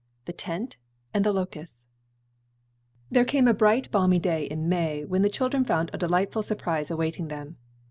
THE TENT AND THE LOCUSTS. There came a bright balmy day in May when the children found a delightful surprise awaiting them.